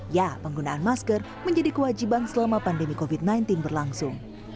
ya penggunaan masker menjadi kewajiban selama pandemi covid sembilan belas berlangsung